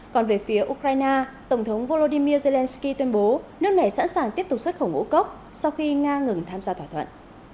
còn về phía ukraine tổng thống volodymyr zelenskyy tuyên bố nước này sẵn sàng tiếp tục xuất khẩu ngũ cốc sau khi nga ngừng tham gia thỏa thuận